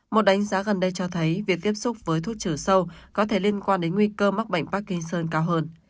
một đánh giá gần đây cho thấy việc tiếp xúc với thuốc trừ sâu có thể liên quan đến nguy cơ mắc bệnh parkinson cao hơn